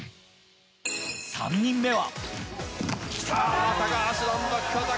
３人目は。